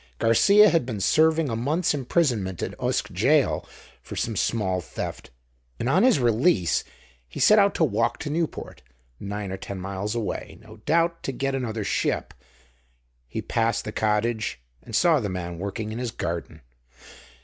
"Garcia had been serving a month's imprisonment in Usk Jail for some small theft, and on his release he set out to walk to Newport, nine or ten miles away; no doubt to get another ship. He passed the cottage and saw the man working in his garden.